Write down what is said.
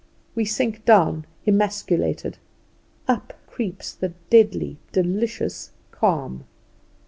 We sink down emasculated. Up creeps the deadly delicious calm.